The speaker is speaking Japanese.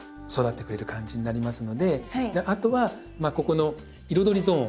あとはここの彩りゾーン